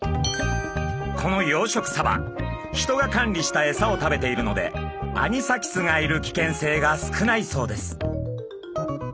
この養殖サバ人が管理した餌を食べているのでアニサキスがいる危険性が少ないそうです。